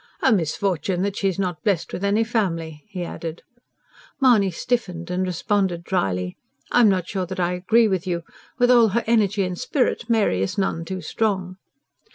"A misfortune that she is not blessed with any family," he added. Mahony stiffened; and responded dryly: "I'm not sure that I agree with you. With all her energy and spirit Mary is none too strong."